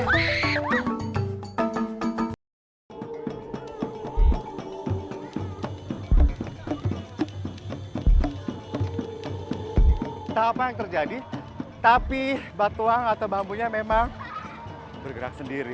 entah apa yang terjadi tapi batuang atau bambunya memang bergerak sendiri